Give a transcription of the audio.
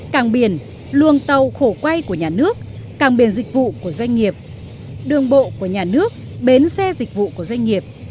càng biển luồng tàu khổ quay của nhà nước càng biển dịch vụ của doanh nghiệp đường bộ của nhà nước bến xe dịch vụ của doanh nghiệp